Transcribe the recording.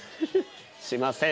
しません。